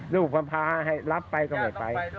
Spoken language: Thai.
ลูกความพาให้รับไปก็ไม่ไป